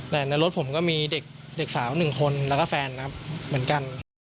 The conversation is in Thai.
แต่ในรถผมก็มีเด็กสาว๑คนแล้วก็แฟนครับเหมือนกัน